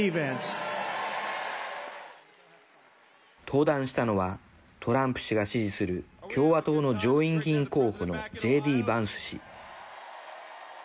登壇したのはトランプ氏が支持する共和党の上院議員候補のＪ・Ｄ・バンス氏。